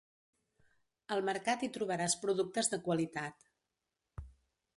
Al mercat hi trobaràs productes de qualitat.